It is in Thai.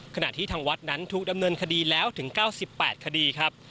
ขณะที่ทางวัดนั้นถูกดำเนินคดีแล้วถึง๙๘คดีครับ